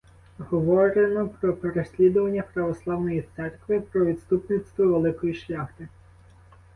Говорено про переслідування православної церкви, про відступництво великої шляхти.